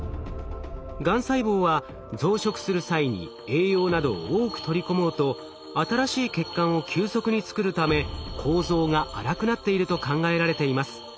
がん細胞は増殖する際に栄養などを多く取り込もうと新しい血管を急速に作るため構造が粗くなっていると考えられています。